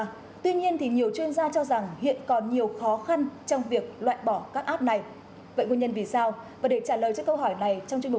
và tuy nhiên thì nhiều chuyên gia cho rằng hiện còn nhiều khó khăn trong việc loại bỏ các app này